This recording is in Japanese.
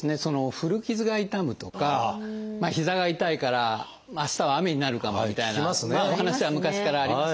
古傷が痛むとか膝が痛いから明日は雨になるかもみたいなお話は昔からありますよね。